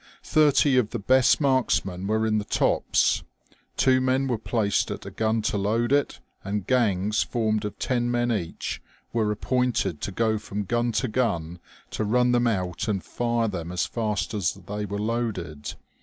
Thirty of the best marksmen were in the tops ; two men were placed at a gun to load it ; and gangs formed of ten men each were appointed to go from gun to gun to run them out and fire them as fast as they were loaded.